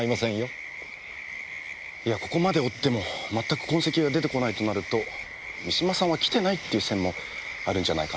いやここまで追っても全く痕跡が出てこないとなると三島さんは来てないっていう線もあるんじゃないかなと。